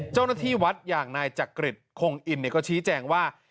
เจ้าหน้าที่วัดอย่างนายจักริจคงอินก็ชี้แจงว่า